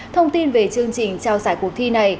thông tin về chương trình trao giải cuộc thi này